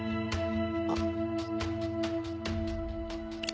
あっ。